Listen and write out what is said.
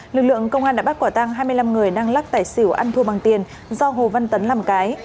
lực lượng công an đã bắt quả tăng hai mươi năm người đang lắc tài xỉu ăn thua bằng tiền do hồ văn tấn làm cái